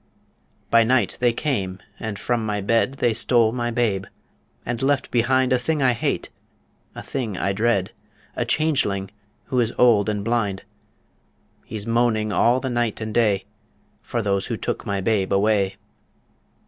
By night they came and from my bed They stole my babe, and left behind A thing I hate, a thing I dread A changeling who is old and blind; He's moaning all the night and day For those who took my babe away.